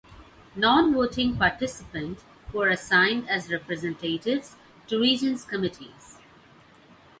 Non-voting participant who are assigned as representatives to Regents' committees.